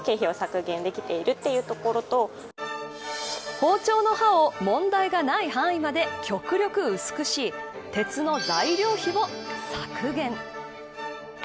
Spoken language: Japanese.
包丁の刃を問題がない範囲まで極力薄くし、鉄の材料費を削減。